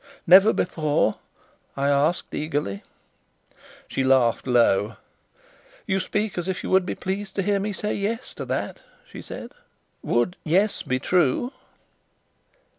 "Never before?" I asked eagerly. She laughed low. "You speak as if you would be pleased to hear me say 'Yes' to that," she said. "Would 'Yes' be true?"